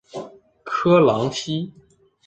科朗西。